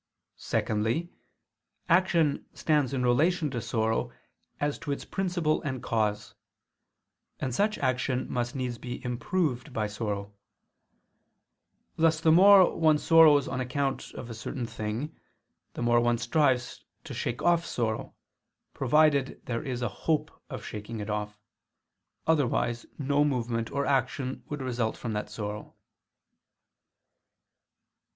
Secondly, action stands in relation to sorrow, as to its principle and cause: and such action must needs be improved by sorrow: thus the more one sorrows on account of a certain thing, the more one strives to shake off sorrow, provided there is a hope of shaking it off: otherwise no movement or action would result from that sorrow.